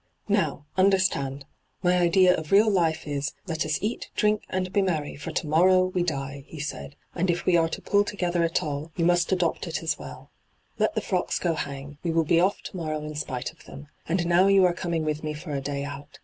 ' Now, understand ! My idea of real life is, " Let us eat, drink, and be merry, for to morrow we die," ' he said. ' And if we are to pull together at all, you must adopt hyGoo>^lc ENTRAPPED 137 it as well. Let the frocks go hang ; we will be off to morrow in spite of them. And now you are coming with me for a day out.